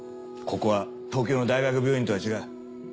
ここは東京の大学病院とは違う。